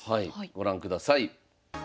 ご覧ください。